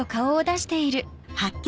発見！